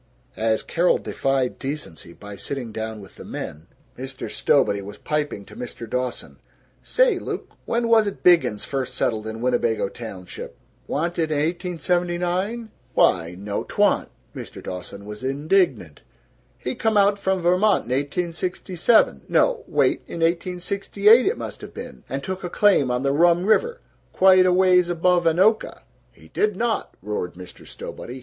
As Carol defied decency by sitting down with the men, Mr. Stowbody was piping to Mr. Dawson, "Say, Luke, when was't Biggins first settled in Winnebago Township? Wa'n't it in 1879?" "Why no 'twa'n't!" Mr. Dawson was indignant. "He come out from Vermont in 1867 no, wait, in 1868, it must have been and took a claim on the Rum River, quite a ways above Anoka." "He did not!" roared Mr. Stowbody.